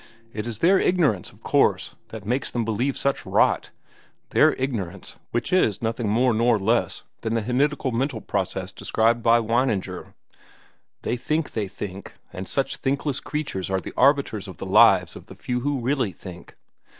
It is their ignorance, of course, that makes them believe such rot—their ignorance, which is nothing more nor less than the henidical mental process described by Weininger. They think they think, and such thinkless creatures are the arbiters of the lives of the few who really think."